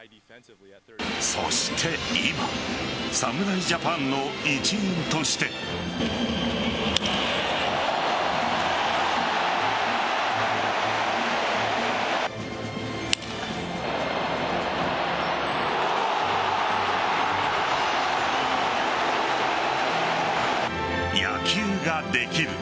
そして今侍ジャパンの一員として。野球ができる。